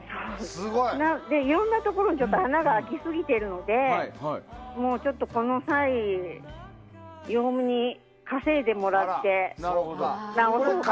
いろんなところに穴が開きすぎてるのでこの際、ヨウムに稼いでもらって直そうかなと。